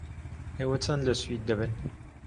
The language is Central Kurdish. ئێوە چەند لە سوید دەبن؟